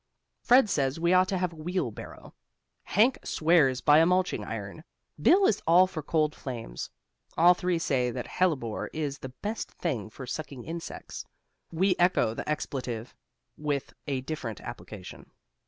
Fred says we ought to have a wheel barrow; Hank swears by a mulching iron; Bill is all for cold frames. All three say that hellebore is the best thing for sucking insects. We echo the expletive, with a different application.